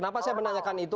kenapa saya menanyakan itu